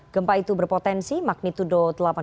gempa itu berpotensi magnitudo delapan tujuh